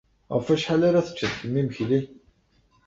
Ɣef wacḥal arq teččeḍ kemm imekli?